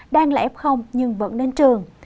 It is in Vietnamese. đang là f nhưng vẫn đến trường